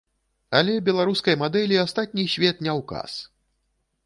Але беларускай мадэлі астатні свет не ўказ.